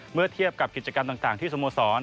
เมื่อเทียบกับกิจกรรมต่างที่สโมสร